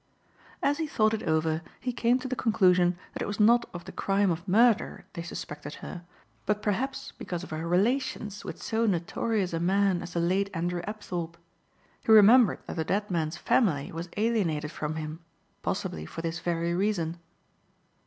As he thought it over he came to the conclusion that it was not of the crime of murder they suspected her but perhaps because of her relations with so notorious a man as the late Andrew Apthorpe. He remembered that the dead man's family was alienated from him, possibly for this very reason.